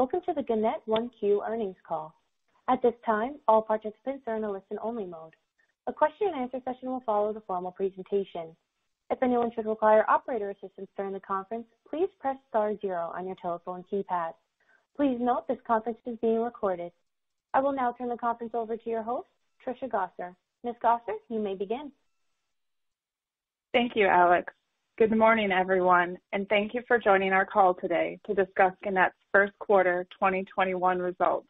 Welcome to the Gannett 1Q Earnings Call. At this time, all participants are in a listen-only mode. A question-and-answer session will follow the formal presentation. If anyone should require operator assistance during the conference, please press star zero on your telephone keypad. Please note this conference is being recorded. I will now turn the conference over to your host, Trisha Gosser. Ms. Gosser, you may begin. Thank you, Alex. Good morning, everyone, and thank you for joining our call today to discuss Gannett's first quarter 2021 results.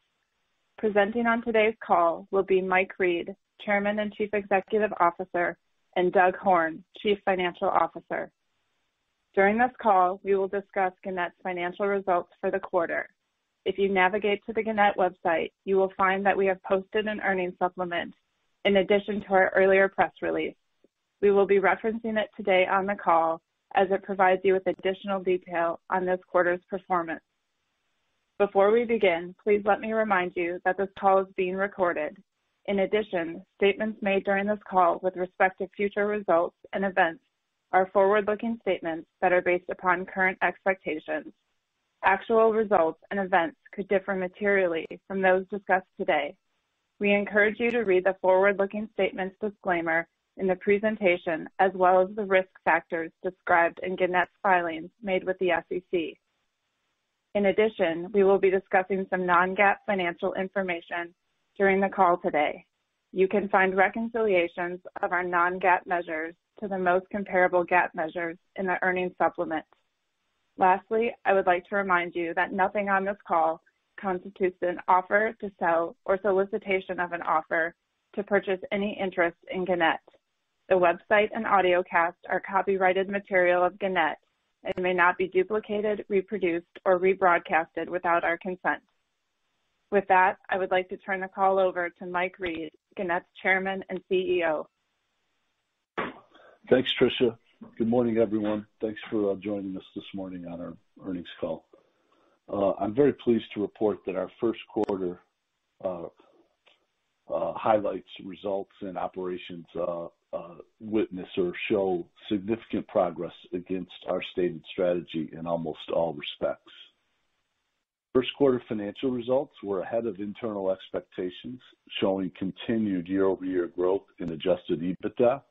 Presenting on today's call will be Mike Reed, Chairman and Chief Executive Officer, and Doug Horne, Chief Financial Officer. During this call, we will discuss Gannett's financial results for the quarter. If you navigate to the Gannett website, you will find that we have posted an earnings supplement in addition to our earlier press release. We will be referencing it today on the call as it provides you with additional detail on this quarter's performance. Before we begin, please let me remind you that this call is being recorded. In addition, statements made during this call with respect to future results and events are forward-looking statements that are based upon current expectations. Actual results and events could differ materially from those discussed today. We encourage you to read the forward-looking statements disclaimer in the presentation as well as the risk factors described in Gannett's filings made with the SEC. In addition, we will be discussing some non-GAAP financial information during the call today. You can find reconciliations of our non-GAAP measures to the most comparable GAAP measures in the earnings supplement. Lastly, I would like to remind you that nothing on this call constitutes an offer to sell or solicitation of an offer to purchase any interest in Gannett. The website and audiocast are copyrighted material of Gannett and may not be duplicated, reproduced, or rebroadcasted without our consent. With that, I would like to turn the call over to Mike Reed, Gannett's Chairman and CEO. Thanks, Trisha. Good morning, everyone. Thanks for joining us this morning on our earnings call. I'm very pleased to report that our first quarter highlights results and operations witness or show significant progress against our stated strategy in almost all respects. First quarter financial results were ahead of internal expectations, showing continued year-over-year growth in adjusted EBITDA.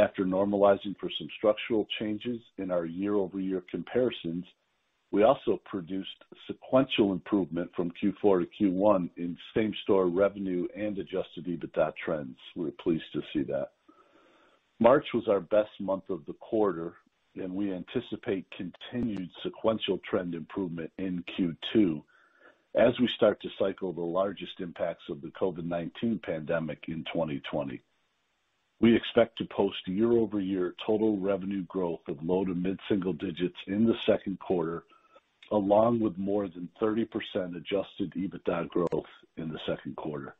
After normalizing for some structural changes in our year-over-year comparisons, we also produced sequential improvement from Q4 to Q1 in same-store revenue and adjusted EBITDA trends. We're pleased to see that. March was our best month of the quarter, and we anticipate continued sequential trend improvement in Q2 as we start to cycle the largest impacts of the COVID-19 pandemic in 2020. We expect to post year-over-year total revenue growth of low- to mid-single digits in the second quarter, along with more than 30% adjusted EBITDA growth in the second quarter.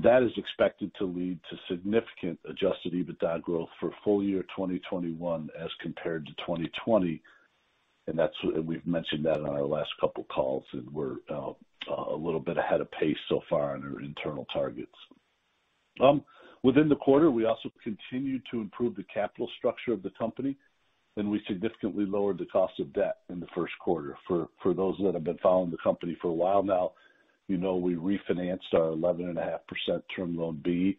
That is expected to lead to significant adjusted EBITDA growth for full year 2021 as compared to 2020, we've mentioned that on our last couple calls, and we're a little bit ahead of pace so far on our internal targets. Within the quarter, we also continued to improve the capital structure of the company, we significantly lowered the cost of debt in the first quarter. For those that have been following the company for a while now, you know we refinanced our 11.5% Term Loan B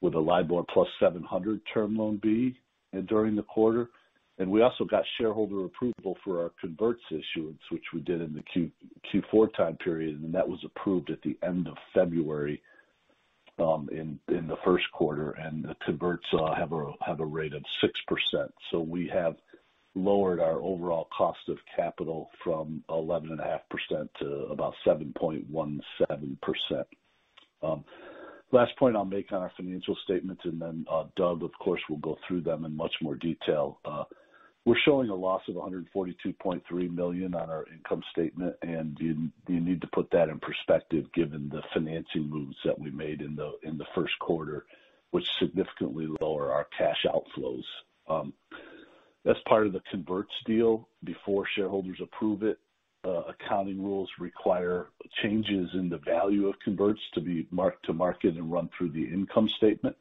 with a LIBOR plus 700 Term Loan B during the quarter. We also got shareholder approval for our converts issuance, which we did in the Q4 time period, and that was approved at the end of February in the first quarter. The converts have a rate of 6%. We have lowered our overall cost of capital from 11.5% to about 7.17%. Last point I'll make on our financial statements, and then Doug, of course, will go through them in much more detail. We're showing a loss of $142.3 million on our income statement, and you need to put that in perspective given the financing moves that we made in the first quarter, which significantly lower our cash outflows. As part of the converts deal, before shareholders approve it, accounting rules require changes in the value of converts to be marked to market and run through the income statement.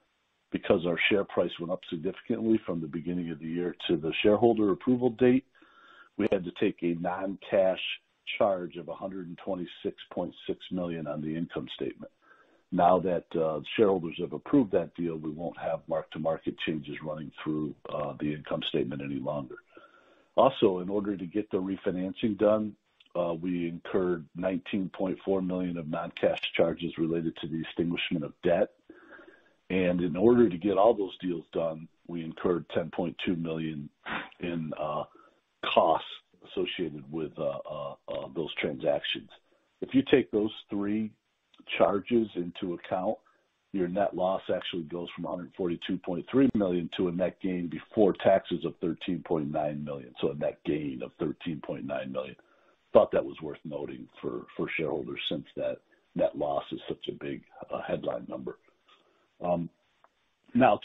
Because our share price went up significantly from the beginning of the year to the shareholder approval date, we had to take a non-cash charge of $126.6 million on the income statement. That shareholders have approved that deal, we won't have mark-to-market changes running through the income statement any longer. In order to get the refinancing done, we incurred $19.4 million of non-cash charges related to the extinguishment of debt. In order to get all those deals done, we incurred $10.2 million in costs associated with those transactions. If you take those three charges into account, your net loss actually goes from $142.3 million to a net gain before taxes of $13.9 million. A net gain of $13.9 million. Thought that was worth noting for shareholders since that net loss is such a big headline number.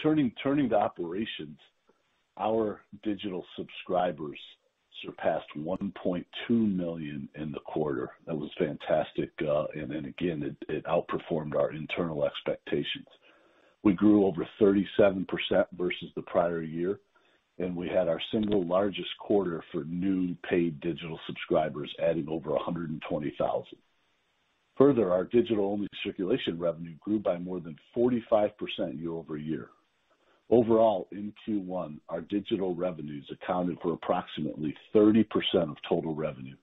Turning to operations, our digital subscribers surpassed 1.2 million in the quarter. That was fantastic. Again, it outperformed our internal expectations. We grew over 37% versus the prior year, and we had our single largest quarter for new paid digital subscribers, adding over 120,000. Our digital-only circulation revenue grew by more than 45% year-over-year. In Q1, our digital revenues accounted for approximately 30% of total revenue,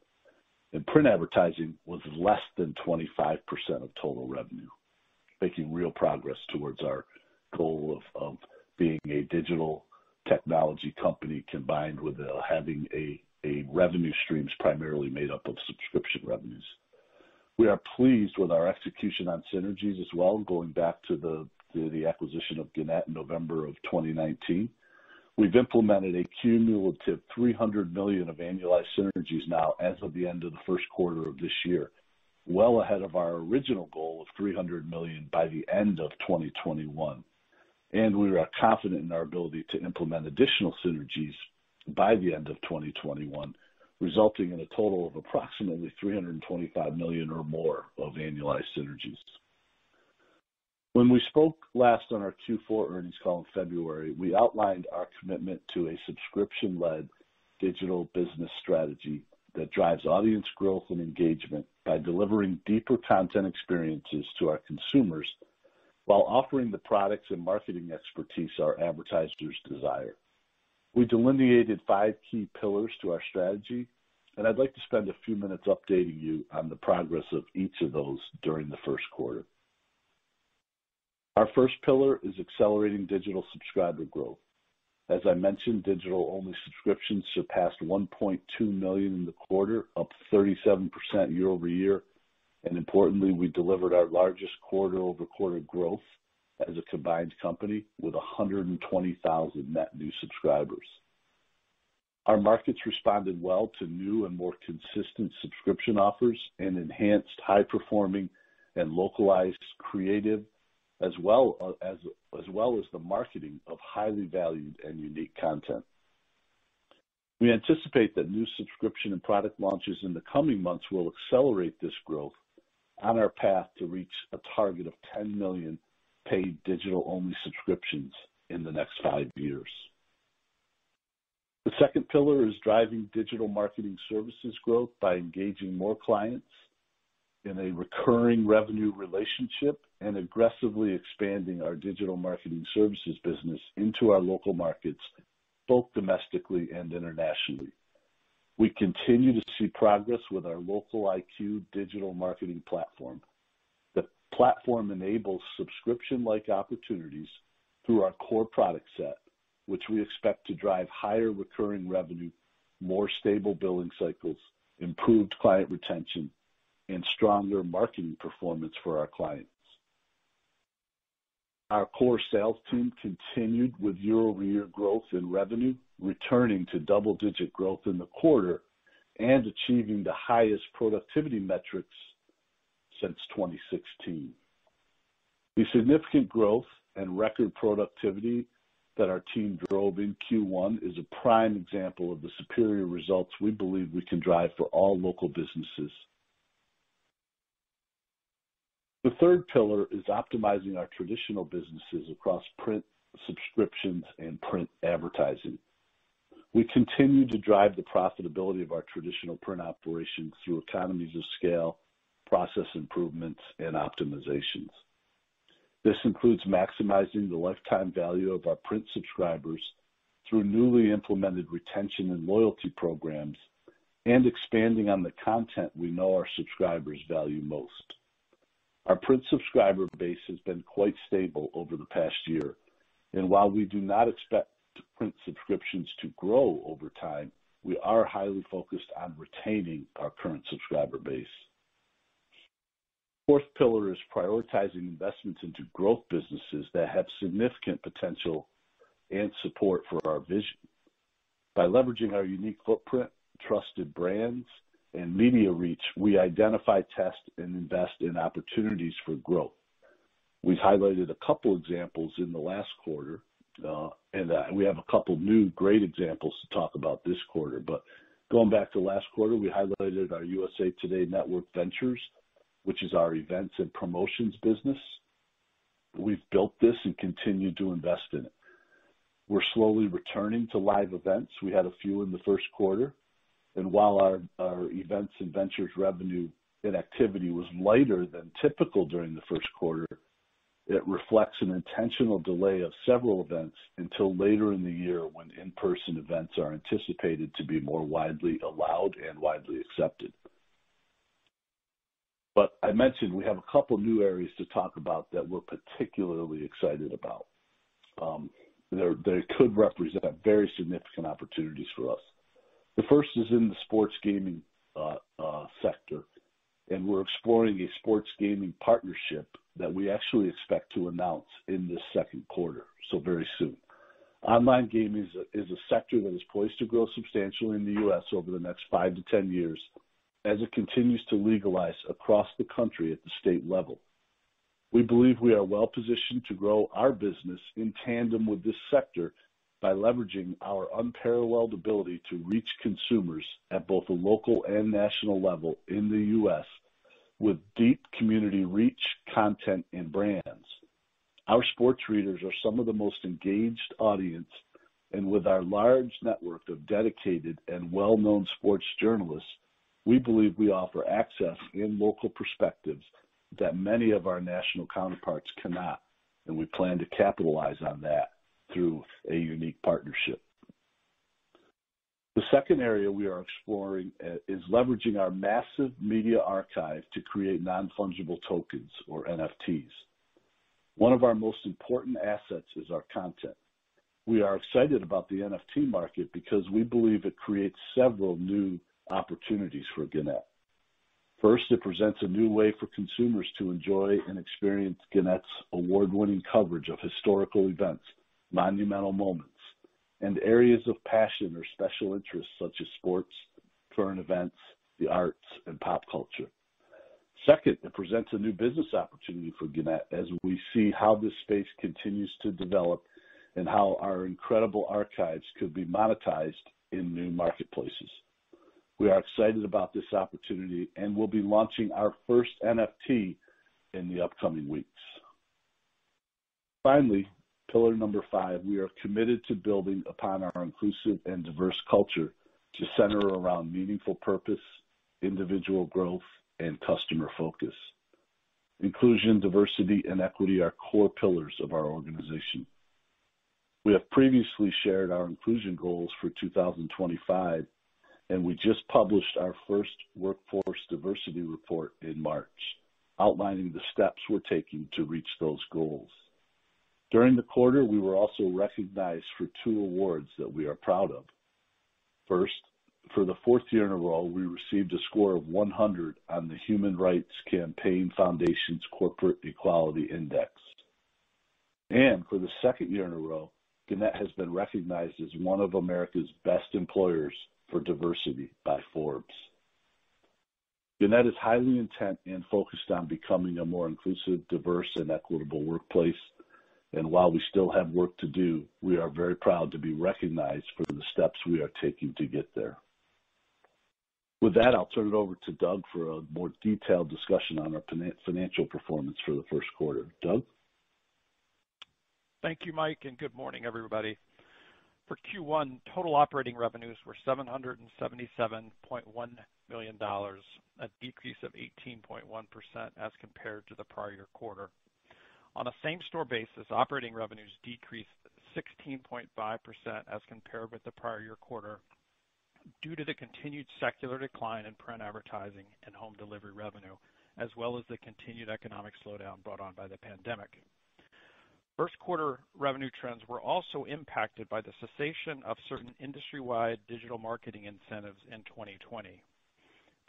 and print advertising was less than 25% of total revenue, making real progress towards our goal of being a digital technology company, combined with having revenue streams primarily made up of subscription revenues. We are pleased with our execution on synergies as well, going back to the acquisition of Gannett in November of 2019. We've implemented a cumulative $300 million of annualized synergies now as of the end of the first quarter of this year, well ahead of our original goal of $300 million by the end of 2021. We are confident in our ability to implement additional synergies by the end of 2021, resulting in a total of approximately $325 million or more of annualized synergies. When we spoke last on our Q4 earnings call in February, we outlined our commitment to a subscription-led digital business strategy that drives audience growth and engagement by delivering deeper content experiences to our consumers while offering the products and marketing expertise our advertisers desire. We delineated five key pillars to our strategy, and I'd like to spend a few minutes updating you on the progress of each of those during the first quarter. Our first pillar is accelerating digital subscriber growth. As I mentioned, digital-only subscriptions surpassed 1.2 million in the quarter, up 37% year-over-year. Importantly, we delivered our largest quarter-over-quarter growth as a combined company with 120,000 net new subscribers. Our markets responded well to new and more consistent subscription offers and enhanced high-performing and localized creative, as well as the marketing of highly valued and unique content. We anticipate that new subscription and product launches in the coming months will accelerate this growth on our path to reach a target of 10 million paid digital-only subscriptions in the next five years. The second pillar is driving digital marketing services growth by engaging more clients in a recurring revenue relationship and aggressively expanding our digital marketing services business into our local markets, both domestically and internationally. We continue to see progress with our LocaliQ digital marketing platform. The platform enables subscription-like opportunities through our core product set, which we expect to drive higher recurring revenue, more stable billing cycles, improved client retention, and stronger marketing performance for our clients. Our core sales team continued with year-over-year growth in revenue, returning to double-digit growth in the quarter and achieving the highest productivity metrics since 2016. The significant growth and record productivity that our team drove in Q1 is a prime example of the superior results we believe we can drive for all local businesses. The third pillar is optimizing our traditional businesses across print subscriptions and print advertising. We continue to drive the profitability of our traditional print operations through economies of scale, process improvements, and optimizations. This includes maximizing the lifetime value of our print subscribers through newly implemented retention and loyalty programs and expanding on the content we know our subscribers value most. Our print subscriber base has been quite stable over the past year, and while we do not expect print subscriptions to grow over time, we are highly focused on retaining our current subscriber base. Fourth pillar is prioritizing investments into growth businesses that have significant potential and support for our vision. By leveraging our unique footprint, trusted brands, and media reach, we identify, test, and invest in opportunities for growth. We've highlighted a couple examples in the last quarter, and we have a couple new great examples to talk about this quarter. Going back to last quarter, we highlighted our USA TODAY Network Ventures, which is our events and promotions business. We've built this and continue to invest in it. We're slowly returning to live events. We had a few in the first quarter, and while our events and ventures revenue and activity was lighter than typical during the first quarter, it reflects an intentional delay of several events until later in the year when in-person events are anticipated to be more widely allowed and widely accepted. I mentioned we have a couple new areas to talk about that we're particularly excited about. They could represent very significant opportunities for us. The first is in the sports gaming sector, and we're exploring a sports gaming partnership that we actually expect to announce in the second quarter, so very soon. Online gaming is a sector that is poised to grow substantially in the U.S. over the next five to 10 years as it continues to legalize across the country at the state level. We believe we are well-positioned to grow our business in tandem with this sector by leveraging our unparalleled ability to reach consumers at both a local and national level in the U.S. with deep community reach, content, and brands. Our sports readers are some of the most engaged audience, and with our large network of dedicated and well-known sports journalists, we believe we offer access and local perspectives that many of our national counterparts cannot, and we plan to capitalize on that through a unique partnership. The second area we are exploring is leveraging our massive media archive to create non-fungible tokens or NFTs. One of our most important assets is our content. We are excited about the NFT market because we believe it creates several new opportunities for Gannett. First, it presents a new way for consumers to enjoy and experience Gannett's award-winning coverage of historical events, monumental moments, and areas of passion or special interests such as sports, current events, the arts, and pop culture. Second, it presents a new business opportunity for Gannett as we see how this space continues to develop and how our incredible archives could be monetized in new marketplaces. We are excited about this opportunity, and we'll be launching our first NFT in the upcoming weeks. Finally, pillar number 5, we are committed to building upon our inclusive and diverse culture to center around meaningful purpose, individual growth, and customer focus. Inclusion, diversity, and equity are core pillars of our organization. We have previously shared our inclusion goals for 2025, and we just published our first Workforce Diversity Report in March, outlining the steps we're taking to reach those goals. During the quarter, we were also recognized for two awards that we are proud of. First, for the fourth year in a row, we received a score of 100 on the Human Rights Campaign Foundation's Corporate Equality Index. For the second year in a row, Gannett has been recognized as one of America's best employers for diversity by Forbes. Gannett is highly intent and focused on becoming a more inclusive, diverse, and equitable workplace. While we still have work to do, we are very proud to be recognized for the steps we are taking to get there. With that, I'll turn it over to Doug for a more detailed discussion on our financial performance for the first quarter. Doug? Thank you, Mike, and good morning, everybody. For Q1, total operating revenues were $777.1 million, a decrease of 18.1% as compared to the prior year quarter. On a same-store basis, operating revenues decreased 16.5% as compared with the prior year quarter due to the continued secular decline in print advertising and home delivery revenue, as well as the continued economic slowdown brought on by the pandemic. First quarter revenue trends were also impacted by the cessation of certain industry-wide digital marketing incentives in 2020.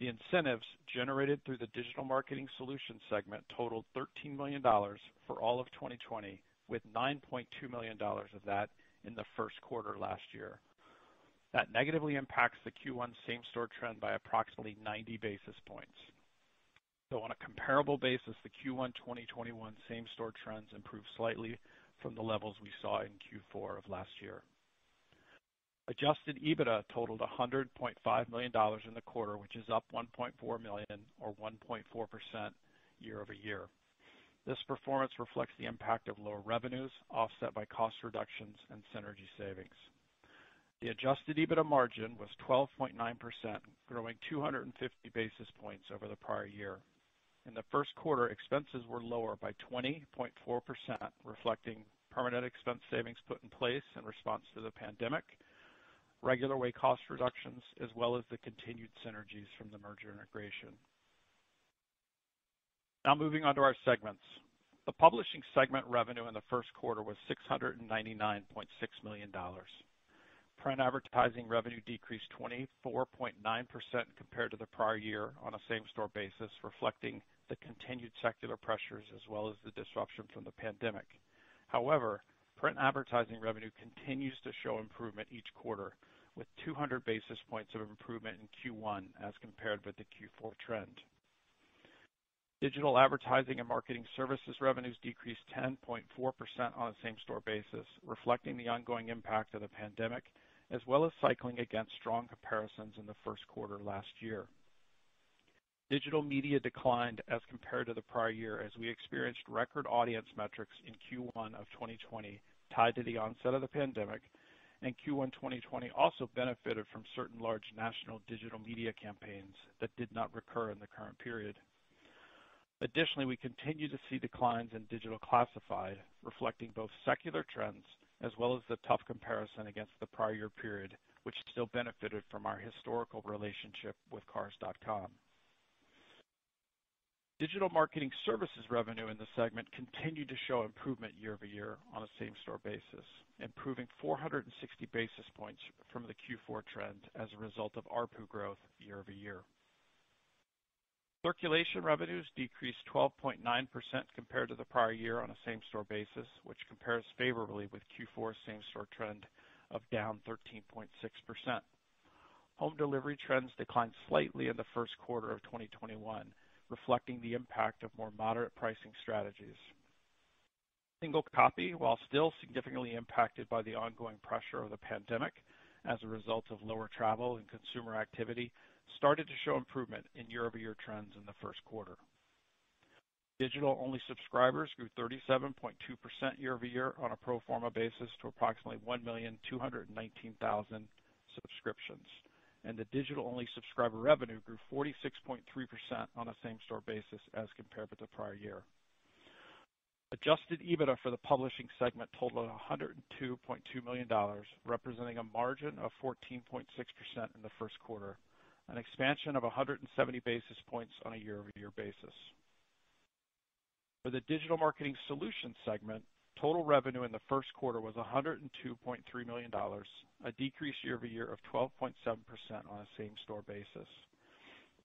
The incentives generated through the digital marketing solutions segment totaled $13 million for all of 2020, with $9.2 million of that in the first quarter last year. That negatively impacts the Q1 same-store trend by approximately 90 basis points. On a comparable basis, the Q1 2021 same-store trends improved slightly from the levels we saw in Q4 of last year. Adjusted EBITDA totaled $100.5 million in the quarter, which is up $1.4 million or 1.4% year-over-year. This performance reflects the impact of lower revenues, offset by cost reductions and synergy savings. The adjusted EBITDA margin was 12.9%, growing 250 basis points over the prior year. In the first quarter, expenses were lower by 20.4%, reflecting permanent expense savings put in place in response to the pandemic, regular way cost reductions, as well as the continued synergies from the merger integration. Moving on to our segments. The publishing segment revenue in the first quarter was $699.6 million. Print advertising revenue decreased 24.9% compared to the prior year on a same-store basis, reflecting the continued secular pressures as well as the disruption from the pandemic. Print advertising revenue continues to show improvement each quarter, with 200 basis points of improvement in Q1 as compared with the Q4 trend. Digital advertising and marketing services revenues decreased 10.4% on a same-store basis, reflecting the ongoing impact of the pandemic, as well as cycling against strong comparisons in the first quarter last year. Digital media declined as compared to the prior year as we experienced record audience metrics in Q1 of 2020 tied to the onset of the pandemic, and Q1 2020 also benefited from certain large national digital media campaigns that did not recur in the current period. Additionally, we continue to see declines in digital classified, reflecting both secular trends as well as the tough comparison against the prior year period, which still benefited from our historical relationship with Cars.com. Digital marketing services revenue in the segment continued to show improvement year over year on a same-store basis, improving 460 basis points from the Q4 trend as a result of ARPU growth year over year. Circulation revenues decreased 12.9% compared to the prior year on a same-store basis, which compares favorably with Q4 same-store trend of down 13.6%. Home delivery trends declined slightly in the first quarter of 2021, reflecting the impact of more moderate pricing strategies. Single copy, while still significantly impacted by the ongoing pressure of the pandemic as a result of lower travel and consumer activity, started to show improvement in year-over-year trends in the first quarter. Digital-only subscribers grew 37.2% year-over-year on a pro forma basis to approximately 1,219,000 subscriptions, and the digital-only subscriber revenue grew 46.3% on a same-store basis as compared with the prior year. Adjusted EBITDA for the publishing segment totaled $102.2 million, representing a margin of 14.6% in the first quarter, an expansion of 170 basis points on a year-over-year basis. For the digital marketing solutions segment, total revenue in the first quarter was $102.3 million, a decrease year-over-year of 12.7% on a same-store basis.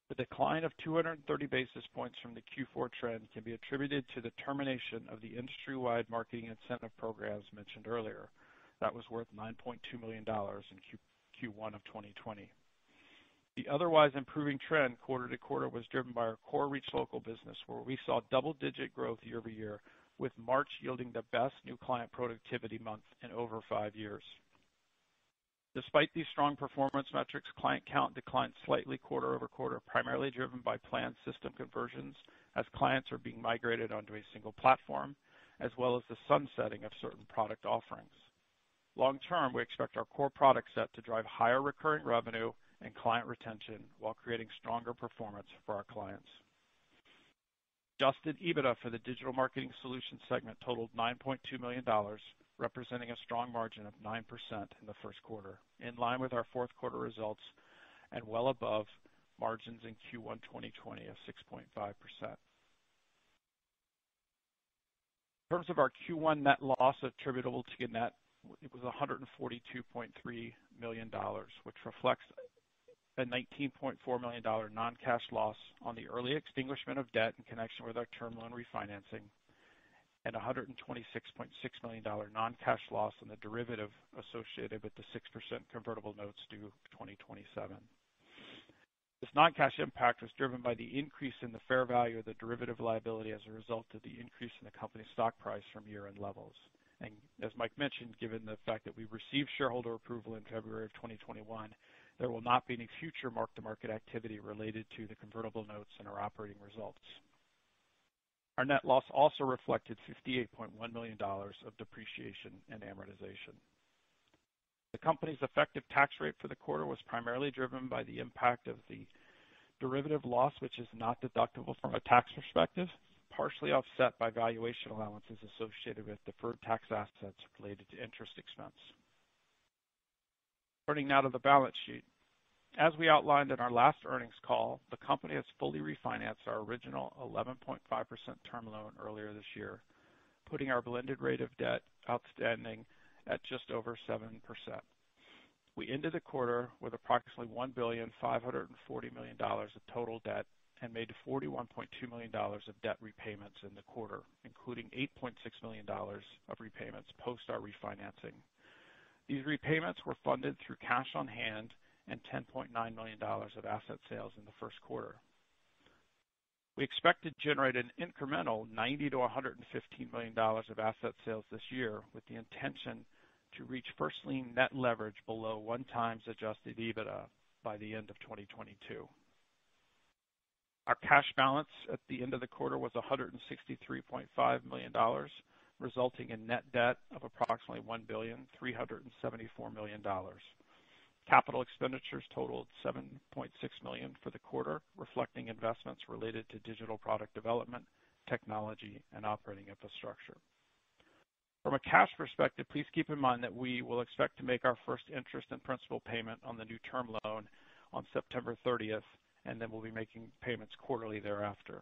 The decline of 230 basis points from the Q4 trend can be attributed to the termination of the industry-wide marketing incentive programs mentioned earlier. That was worth $9.2 million in Q1 of 2020. The otherwise improving trend quarter-to-quarter was driven by our core ReachLocal business, where we saw double-digit growth year-over-year, with March yielding the best new client productivity month in over five years. Despite these strong performance metrics, client count declined slightly quarter-over-quarter, primarily driven by planned system conversions as clients are being migrated onto a single platform, as well as the sunsetting of certain product offerings. Long term, we expect our core product set to drive higher recurring revenue and client retention while creating stronger performance for our clients. Adjusted EBITDA for the digital marketing solutions segment totaled $9.2 million, representing a strong margin of 9% in the first quarter, in line with our fourth quarter results and well above margins in Q1 2020 of 6.5%. In terms of our Q1 net loss attributable to net, it was $142.3 million, which reflects a $19.4 million non-cash loss on the early extinguishment of debt in connection with our term loan refinancing and $126.6 million non-cash loss on the derivative associated with the 6% convertible notes due 2027. This non-cash impact was driven by the increase in the fair value of the derivative liability as a result of the increase in the company's stock price from year-end levels. As Mike mentioned, given the fact that we received shareholder approval in February of 2021, there will not be any future mark-to-market activity related to the convertible notes in our operating results. Our net loss also reflected $58.1 million of depreciation and amortization. The company's effective tax rate for the quarter was primarily driven by the impact of the derivative loss, which is not deductible from a tax perspective, partially offset by valuation allowances associated with deferred tax assets related to interest expense. Turning now to the balance sheet. As we outlined in our last earnings call, the company has fully refinanced our original 11.5% term loan earlier this year, putting our blended rate of debt outstanding at just over 7%. We ended the quarter with approximately $1.54 billion of total debt and made $41.2 million of debt repayments in the quarter, including $8.6 million of repayments post our refinancing. These repayments were funded through cash on hand and $10.9 million of asset sales in the first quarter. We expect to generate an incremental $90 million-$115 million of asset sales this year, with the intention to reach first lien net leverage below 1x adjusted EBITDA by the end of 2022. Our cash balance at the end of the quarter was $163.5 million, resulting in net debt of approximately $1,374,000,000. Capital expenditures totaled $7.6 million for the quarter, reflecting investments related to digital product development, technology, and operating infrastructure. From a cash perspective, please keep in mind that we will expect to make our first interest and principal payment on the new term loan on September 30th, and then we'll be making payments quarterly thereafter.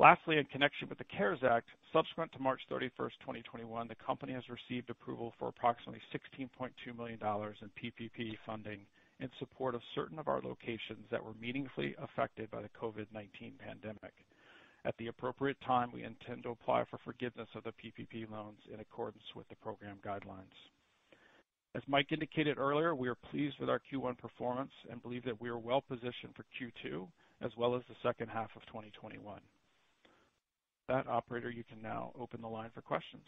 Lastly, in connection with the CARES Act, subsequent to March 31st, 2021, the company has received approval for approximately $16.2 million in PPP funding in support of certain of our locations that were meaningfully affected by the COVID-19 pandemic. At the appropriate time, we intend to apply for forgiveness of the PPP loans in accordance with the program guidelines. As Mike indicated earlier, we are pleased with our Q1 performance and believe that we are well positioned for Q2 as well as the second half of 2021. With that, operator, you can now open the line for questions.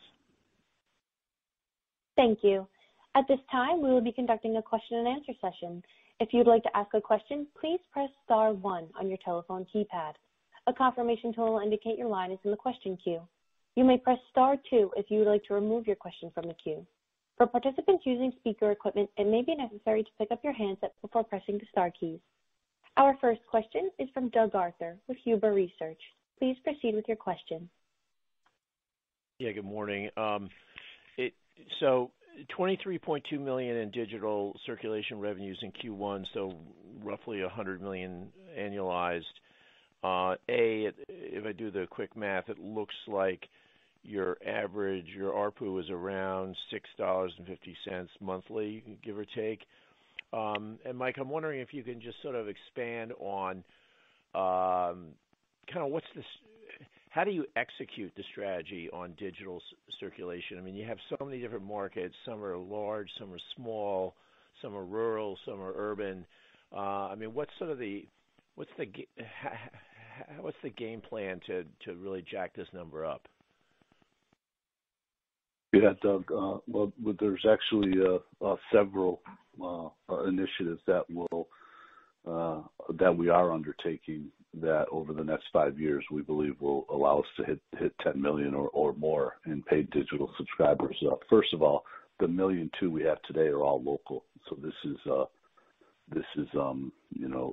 Thank you. At this time, we will be conducting a question and answer session. If you'd like to ask a question, please press star one on your telephone keypad. A confirmation tone will indicate your line is in the question queue. You may press star two if you would like to remove your question from the queue. For participants using speaker equipment, it may be necessary to pick up your handset before pressing the star keys. Our first question is from Doug Arthur with Huber Research. Please proceed with your question. Good morning. $23.2 million in digital circulation revenues in Q1, roughly $100 million annualized. If I do the quick math, it looks like your ARPU is around $6.50 monthly, give or take. Mike, I'm wondering if you can just sort of expand on how do you execute the strategy on digital circulation? You have so many different markets. Some are large, some are small, some are rural, some are urban. What's the game plan to really jack this number up? Doug, well, there's actually several initiatives that we are undertaking that over the next five years we believe will allow us to hit $10 million or more in paid digital subscribers. First of all, the $1.2 million we have today are all local. This is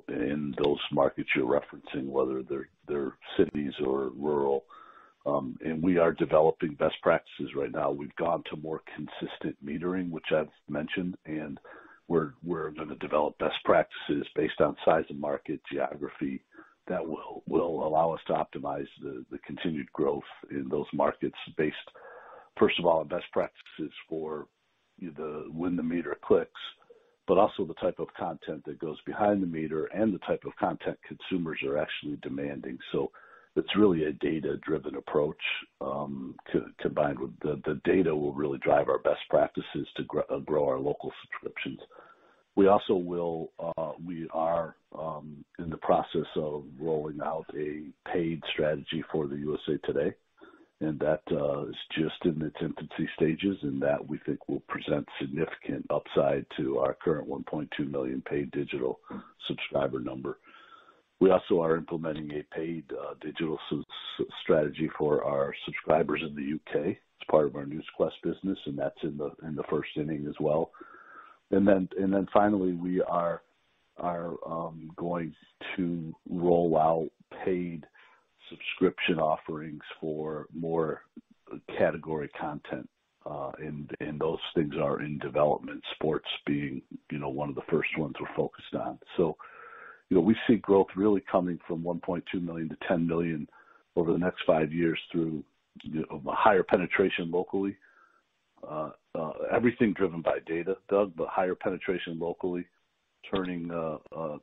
in those markets you're referencing, whether they're cities or rural. We are developing best practices right now. We've gone to more consistent metering, which I've mentioned, and we're going to develop best practices based on size of market, geography, that will allow us to optimize the continued growth in those markets based, first of all, on best practices for when the meter clicks, but also the type of content that goes behind the meter and the type of content consumers are actually demanding. It's really a data-driven approach combined with the data will really drive our best practices to grow our local subscriptions. We are in the process of rolling out a paid strategy for USA TODAY, that is just in its infancy stages, that we think will present significant upside to our current 1.2 million paid digital subscriber number. We also are implementing a paid digital strategy for our subscribers in the U.K. as part of our Newsquest business, that's in the first inning as well. Finally, we are going to roll out paid subscription offerings for more category content. Those things are in development, sports being one of the first ones we're focused on. We see growth really coming from 1.2 million-10 million over the next five years through a higher penetration locally. Everything driven by data, Doug, higher penetration locally, turning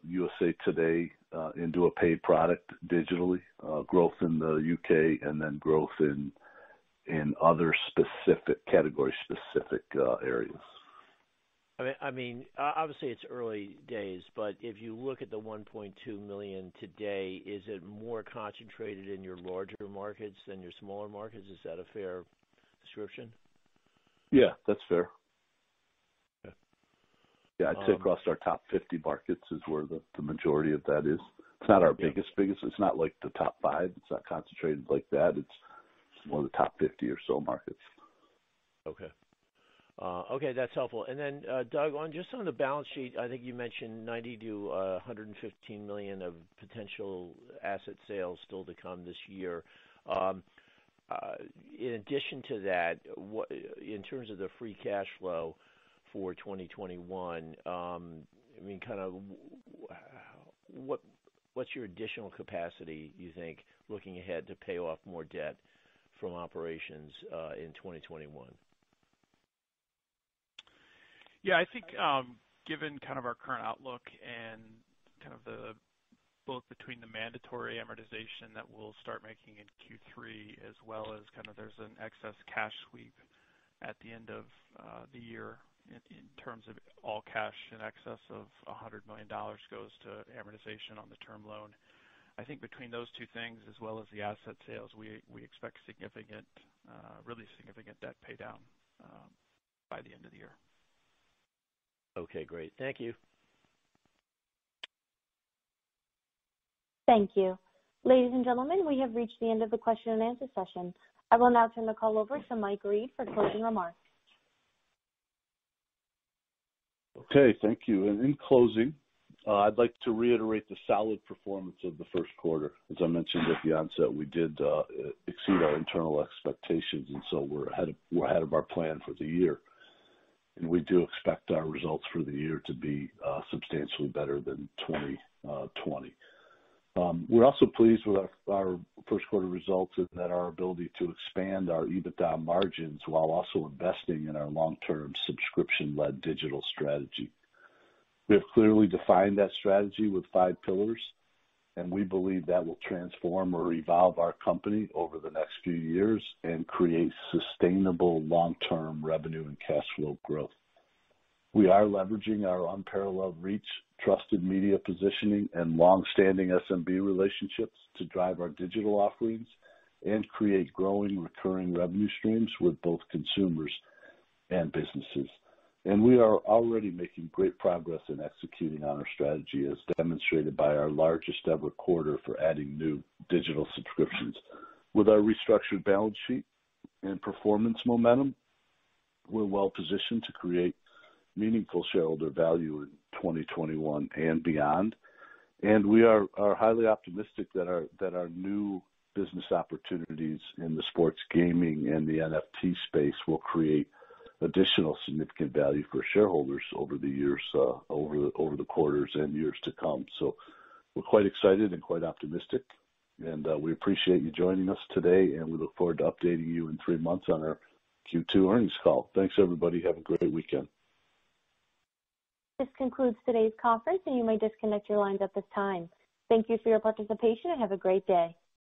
USA TODAY into a paid product digitally, growth in the U.K., and then growth in other category-specific areas. I mean, obviously, it's early days, but if you look at the $1.2 million today, is it more concentrated in your larger markets than your smaller markets? Is that a fair description? Yeah, that's fair. Okay. Yeah, I'd say across our top 50 markets is where the majority of that is. It's not our biggest. It's not like the top five. It's not concentrated like that. It's more the top 50 or so markets. Okay. Okay, that's helpful. Then, Doug, just on the balance sheet, I think you mentioned $90 million-$115 million of potential asset sales still to come this year. In addition to that, in terms of the free cash flow for 2021, what's your additional capacity, you think, looking ahead to pay off more debt from operations in 2021? Yeah, I think given our current outlook and both between the mandatory amortization that we'll start making in Q3 as well as there's an excess cash sweep at the end of the year in terms of all cash in excess of $100 million goes to amortization on the Term Loan. I think between those two things, as well as the asset sales, we expect really significant debt paydown by the end of the year. Okay, great. Thank you. Thank you. Ladies and gentlemen, we have reached the end of the question and answer session. I will now turn the call over to Mike Reed for closing remarks. Okay, thank you. In closing, I'd like to reiterate the solid performance of the first quarter. As I mentioned at the onset, we did exceed our internal expectations. We're ahead of our plan for the year. We do expect our results for the year to be substantially better than 2020. We're also pleased with our first quarter results and that our ability to expand our EBITDA margins while also investing in our long-term subscription-led digital strategy. We have clearly defined that strategy with five pillars, and we believe that will transform or evolve our company over the next few years and create sustainable long-term revenue and cash flow growth. We are leveraging our unparalleled reach, trusted media positioning, and long-standing SMB relationships to drive our digital offerings and create growing recurring revenue streams with both consumers and businesses. We are already making great progress in executing on our strategy, as demonstrated by our largest ever quarter for adding new digital subscriptions. With our restructured balance sheet and performance momentum, we're well-positioned to create meaningful shareholder value in 2021 and beyond. We are highly optimistic that our new business opportunities in the sports gaming and the NFT space will create additional significant value for shareholders over the quarters and years to come. We're quite excited and quite optimistic. We appreciate you joining us today, and we look forward to updating you in three months on our Q2 earnings call. Thanks, everybody. Have a great weekend. This concludes today's conference, and you may disconnect your lines at this time. Thank you for your participation, and have a great day.